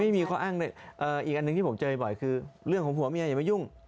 ไม่มีข้ออ้างอีกอันหนึ่งที่ผมเจอบ่อยคือเรื่องของผัวเมียอย่ามายุ่ง